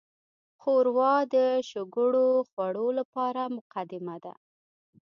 ښوروا د شګوړو خوړو لپاره مقدمه ده.